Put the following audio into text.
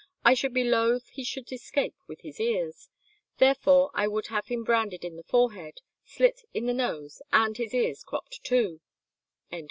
... I should be loth he should escape with his ears; ... therefore I would have him branded in the forehead, slit in the nose, and his ears cropt too."